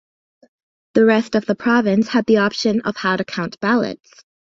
The rest of the province had the option of how to count ballots.